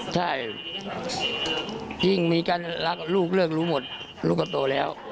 ใช่ยิ่งมีการรักลูกเลิกรู้หมดลูกก็โตแล้ว